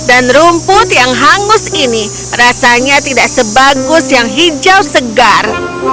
dan rumput yang hangus ini rasanya tidak sebagus yang hijau segar